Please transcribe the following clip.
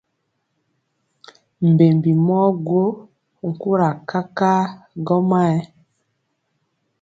Mbembi mɔɔ gwo nkura kakaa gɔmayɛ.